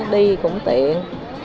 đi cũng tiện